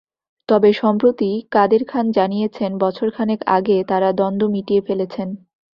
তবে সম্প্রতি কাদের খান জানিয়েছেন, বছর খানেক আগে তাঁরা দ্বন্দ্ব মিটিয়ে ফেলেছেন।